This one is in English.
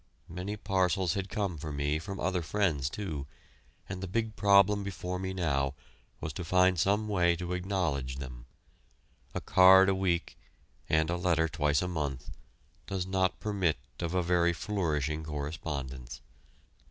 Many parcels had come for me from other friends, too, and the big problem before me now was to find some way to acknowledge them. A card a week, and a letter twice a month, does not permit of a very flourishing correspondence.